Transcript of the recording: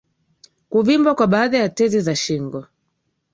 kuvimba kwa baadhi ya tezi za shingo